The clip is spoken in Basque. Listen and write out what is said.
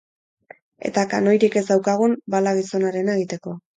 Eta kanoirik ez daukagun, bala gizonarena egiteko.